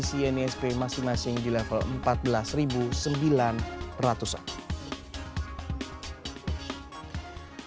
sementara untuk di bank bank bumn bri juga di level empat belas sembilan ratus an per dolar amerika pada peragangan hari ini